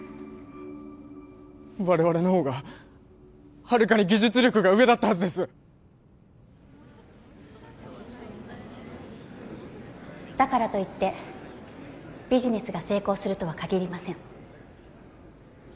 我々のほうがはるかに技術力が上だったはずですだからといってビジネスが成功するとはかぎりません